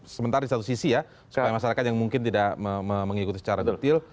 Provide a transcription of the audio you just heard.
sementara di satu sisi ya supaya masyarakat yang mungkin tidak mengikuti secara detil